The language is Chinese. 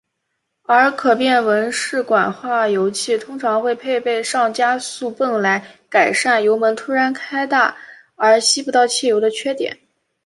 而可变文氏管化油器通常会配备上加速泵来改善油门突然大开而吸不到汽油的缺点。